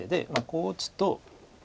こう打つと。